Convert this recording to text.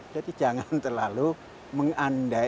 jadi jangan terlalu mengandai andai